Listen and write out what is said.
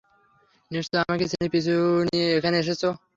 নিশ্চয়ই আমাকে চিনে পিছু নিয়ে এখানে এসেছে।